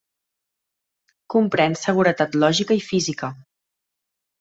Comprèn seguretat lògica i física.